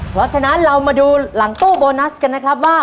เพราะฉะนั้นเรามาดูหลังตู้โบนัสกันนะครับว่า